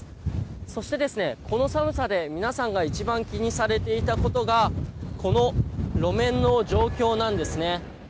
そして、この寒さで皆さんが一番気にされていたことがこの路面の状況なんですね。